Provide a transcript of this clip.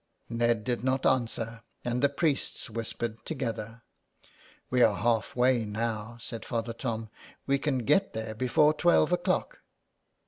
65 E SOME PARISHIONERS, Ned did not answer, and the priests whispered together. '^ We are half way now," said Father Tom, '' we can get there before twelve o'clock."